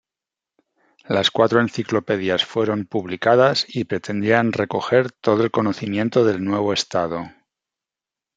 Las cuatro enciclopedias fueron publicadas y pretendían recoger todo el conocimiento del nuevo estado.